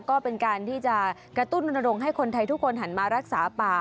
ก็เป็นการที่จะกระตุ้นให้คนไทยทุกคนหันมารักษาป่า